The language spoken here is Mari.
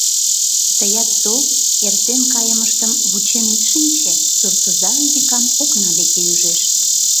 — Тыят тол, эртен кайымыштым вучен ит шинче! — суртоза Айвикам окна деке ӱжеш.